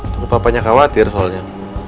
tunggu papanya khawatir soalnya